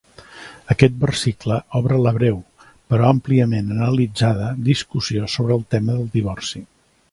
Aquest versicle obre la breu, però àmpliament analitzada, discussió sobre el tema del divorci.